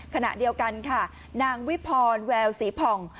ขณะเดียวกันค่ะนางวิพรแววสีผ่อง